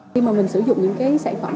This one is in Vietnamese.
khi mà mình sử dụng những cái sản phẩm